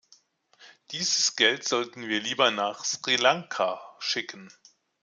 Dieses Geld sollten wir lieber nach Sri Lanka schicken.